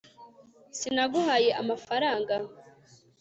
sinaguhaye amafaranga